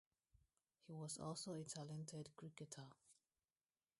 He was also a talented cricketer.